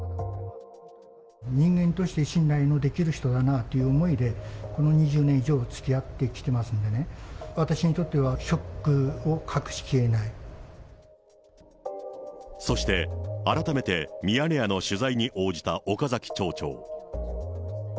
人間として信頼のできる人だなという思いで、この２０年以上つきあってきてますんでね、私にとってはショックそして、改めてミヤネ屋の取材に応じた岡崎町長。